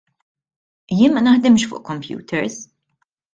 Jien ma naħdimx fuq computers.